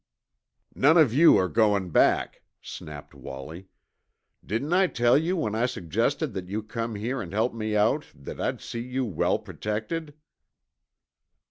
"None of you are goin' back," snapped Wallie. "Didn't I tell you, when I suggested that you come here and help me out, that I'd see you well protected?"